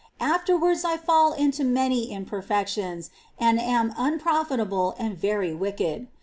Afterwards I fall into many imperfections, and am unprofitable and very wicked.